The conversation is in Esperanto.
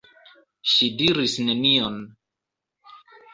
Ŝi diris nenion.